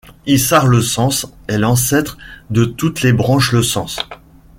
Ysart Le Sens est l'ancêtre de toutes les branches Le Sens.